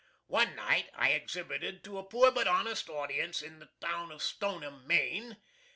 One night I exhibited to a poor but honest audience in the town of Stoneham, Maine.